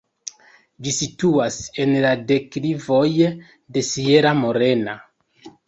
Ĝi situas en la deklivoj de Sierra Morena.